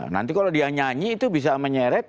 nanti kalau dia nyanyi itu bisa menyeret